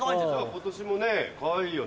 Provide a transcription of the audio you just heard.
今年もねかわいいよね。